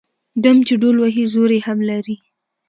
ـ ډم چې ډول وهي زور يې هم لري.